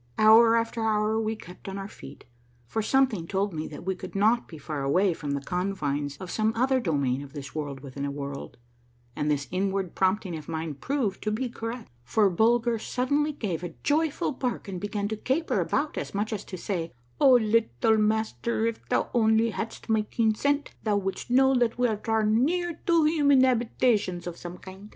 Hour after hour we kept on our feet, for something told me that we could not be far away from the confines of some other domain of this World within a World; and this inward prompt ing of mine proved to be correct, for Bulger suddenly gave a joyful bark and began to caper about as much as to say, —" O little mastei', if thou only hadst my keen scent, thou wouldst know that we are drawing near to human habitations of some kind